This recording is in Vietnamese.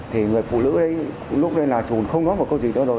thì người phụ nữ đấy lúc đấy là trùn không nói một câu gì nữa rồi